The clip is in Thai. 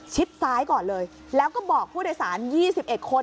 ชิดซ้ายก่อนเลยแล้วก็บอกผู้โดยสารยี่สิบเอ็ดคน